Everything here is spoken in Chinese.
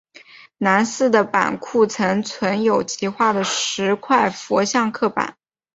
南寺的版库曾存有其画的十块佛像刻版。